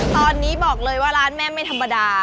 ตอนนี้บอกเลยว่าร้านแม่ไม่ธรรมดา